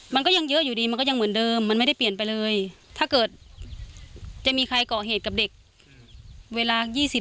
มันก็ยังเยอะอยู่ดีมันก็ยังเหมือนเดิมมันไม่ได้เปลี่ยนไปเลยถ้าเกิดจะมีใครก่อเหตุกับเด็กเวลา๒๐